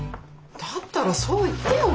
だったらそう言ってよ